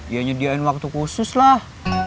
ya nyediain waktu khusus lah